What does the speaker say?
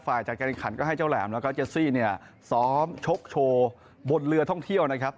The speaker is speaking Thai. ฝ่ายจัดการขันก็ให้เจ้าแหลมแล้วก็เจสซี่เนี่ยซ้อมชกโชว์บนเรือท่องเที่ยวนะครับ